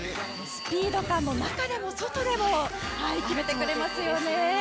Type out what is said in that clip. スピード感で中でも外でも決めてくれますね。